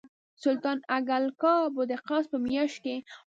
سلطان ګل اکا به د قوس په میاشت کې.